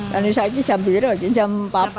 dan ini saat ini jam jam empat